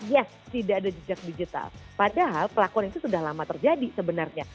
yes tidak ada jejak digital padahal pelakuan itu sudah lama terjadi sebenarnya